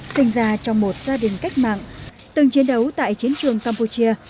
sinh ra trong một gia đình cách mạng từng chiến đấu tại chiến trường campuchia